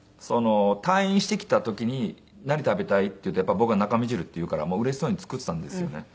退院してきた時に「何食べたい？」っていうとやっぱり僕は中身汁って言うからうれしそうに作っていたんですよね。